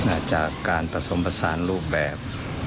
อาจจะการผสมผสานรูปแบบ